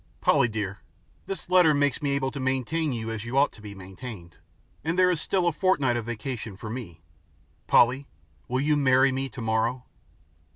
"Polly dear, this letter makes me able to maintain you as you ought to be maintained, and there is still a fortnight of vacation for me. Polly, will you marry me tomorrow?"